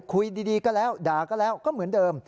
คุยดีก็แล้วด่าก็แล้วก็เหมือนเดิม